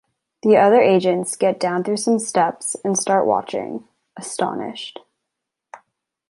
The other agents get down through some steps and start watching, astonished.